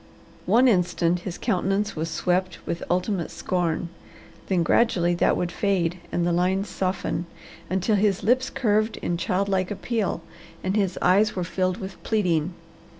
One instant his countenance was swept with ultimate scorn; then gradually that would fade and the lines soften, until his lips curved in child like appeal and his eyes were filled with pleading.